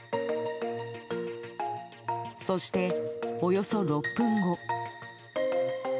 そして、およそ６分後。